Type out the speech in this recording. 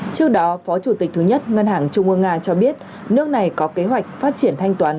trước đó phó chủ tịch thứ nhất ngân hàng trung ương nga cho biết nước này có kế hoạch phát triển thanh toán